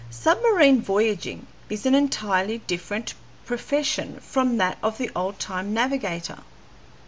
Submarine voyaging is an entirely different profession from that of the old time navigator."